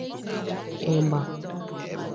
ịgba